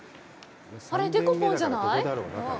あれ、デコポンじゃない？